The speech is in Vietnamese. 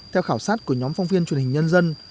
theo khảo sát của nhóm phóng viên truyền hình nhân dân